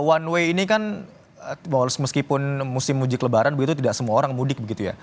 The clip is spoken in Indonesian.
one way ini kan meskipun musim mudik lebaran begitu tidak semua orang mudik begitu ya